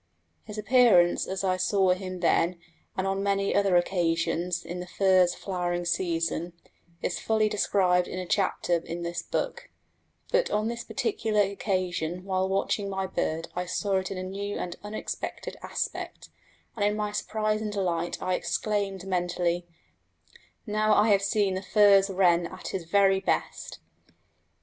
His appearance, as I saw him then and on many other occasions in the furze flowering season, is fully described in a chapter in this book; but on this particular occasion while watching my bird I saw it in a new and unexpected aspect, and in my surprise and delight I exclaimed mentally, "Now I have seen the furze wren at his very best!"